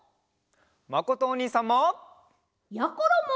まことおにいさんも！やころも！